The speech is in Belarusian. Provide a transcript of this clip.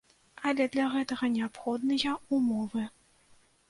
Але для гэта неабходныя ўмовы.